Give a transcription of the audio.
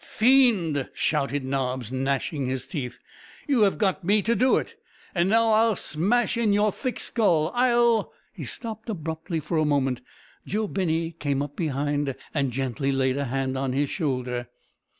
"Fiend!" shouted Nobbs, gnashing his teeth, "you have got me to do it, and now I'll smash in your thick skull I'll " He stopped abruptly for a moment. Joe Binney came up behind and gently laid a hand on his shoulder.